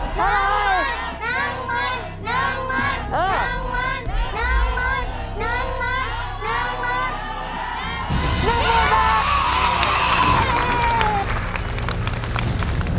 นังมัน